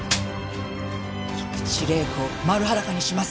菊池玲子をマル裸にします！